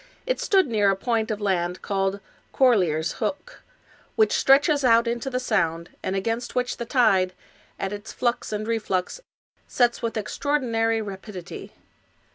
It stood near a point of land called Corlear's Hook,^ which stretches out into the Sound, and against which the tide, at its flux and reflux, sets with extraordi nary rapidity.